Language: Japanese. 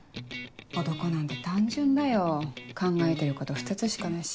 男なんて単純だよ考えてること２つしかないし。